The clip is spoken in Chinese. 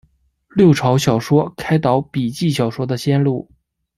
六朝小说开导笔记小说的先路。